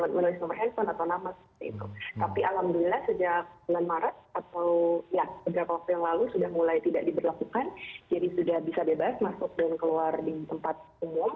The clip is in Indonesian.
menulis nomor handphone atau nama seperti itu tapi alhamdulillah sejak bulan maret atau ya beberapa waktu yang lalu sudah mulai tidak diberlakukan jadi sudah bisa bebas masuk dan keluar di tempat umum